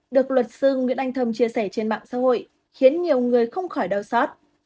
được luật sư nguyễn anh thông chia sẻ trên mạng xã hội khiến nhiều người không khỏi đau xót